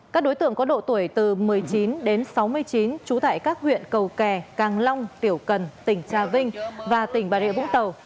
các đối tượng có độ tuổi từ một mươi chín đến sáu mươi chín trú tại các huyện cầu kè càng long tiểu cần tỉnh trà vinh và tỉnh bà rịa vũng tàu